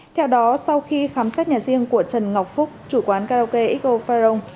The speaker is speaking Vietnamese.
theo đó sau khi khám xét nhà riêng của trần ngọc phúc chủ quán karaoke xo pharoah